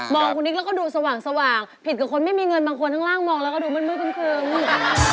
มองคุณนิกแล้วก็ดูสว่างผิดกับคนไม่มีเงินบางคนทั้งล่างมองแล้วก็ดูมันมืดเกินนี่